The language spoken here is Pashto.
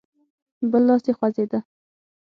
بل لاس يې خوځېده.